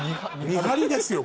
見張りですよ